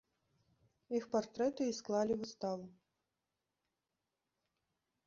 Іх партрэты і склалі выставу.